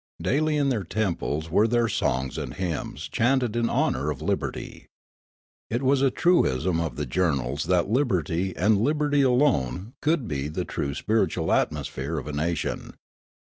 Daily in their temples were there songs and hymns chanted in honour of liberty. It was a truism of the journals that liberty and libert}^ alone could be the true spiritual atmosphere of a nation.